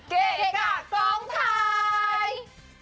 เก่กกัดสองชาย